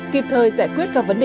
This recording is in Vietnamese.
kịp thời giải quyết các vấn đề